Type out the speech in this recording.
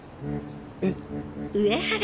えっ？